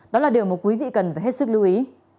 đó là điều mà quý vị cần phải hết sức lưu ý